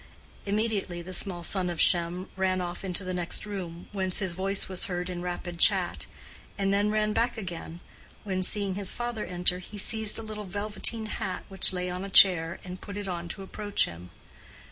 Immediately the small son of Shem ran off into the next room, whence his voice was heard in rapid chat; and then ran back again—when, seeing his father enter, he seized a little velveteen hat which lay on a chair and put it on to approach him.